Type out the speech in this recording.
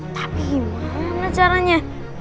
tapi gimana caranya